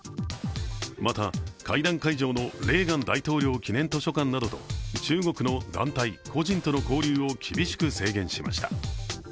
また、会談会場のレーガン大統領記念図書館などと中国の団体・個人との交流を厳しく制限しました。